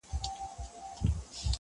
که زه مړ سوم ما به څوک په دعا یاد کي،